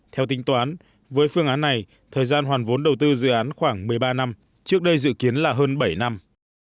theo tính toán với phương án này thời gian hoàn vốn đầu tư dự án khoảng một mươi ba năm trước đây dự kiến là hơn bảy năm